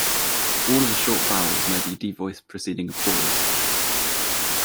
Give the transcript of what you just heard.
All of the short vowels may be devoiced preceding a pause.